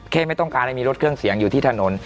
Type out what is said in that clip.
ไม่ต้องการให้มีรถเครื่องเสียงอยู่ที่ถนน